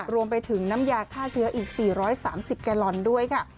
รวมไปถึงน้ำยาฆ่าเชื้ออีก๔๓๐แกลลอนด้วยค่ะ